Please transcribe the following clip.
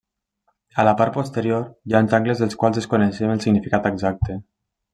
A la part posterior hi ha uns angles dels quals desconeixem el significat exacte.